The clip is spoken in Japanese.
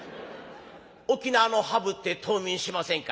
「沖縄のハブって冬眠しませんか？」。